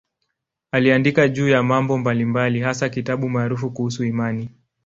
Aliandika juu ya mambo mbalimbali, hasa kitabu maarufu kuhusu imani.